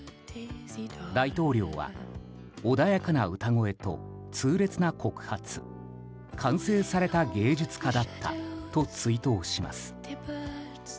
大統領は、穏やかな歌声と痛烈な告発完成された芸術家だったと追悼します。